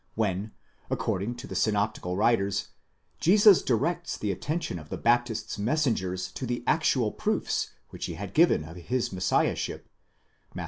When, according to the synoptical writers, Jesus directs the attention of the Baptist's messengers to the actual proofs which he had given of his Messiahship (Matt.